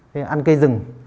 thế ăn cây rừng